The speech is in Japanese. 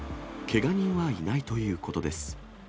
けが人はいないということです。